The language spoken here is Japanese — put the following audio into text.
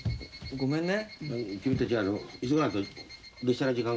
ごめんね。